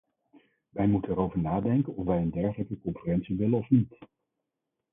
Wij moeten erover nadenken of wij een dergelijke conferentie willen of niet.